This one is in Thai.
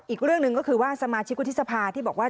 อีกเรื่องหนึ่งก็คือว่าสมาชิกวุฒิสภาที่บอกว่า